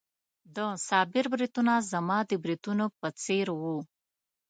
د صابر بریتونه زما د بریتونو په څېر وو.